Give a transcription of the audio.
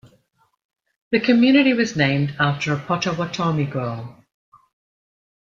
The community was named after a Potawatomi girl.